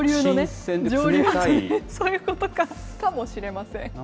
そういうことか。かもしれません。